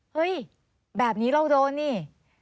เฮ้ยแบบนี้เราโดนนี่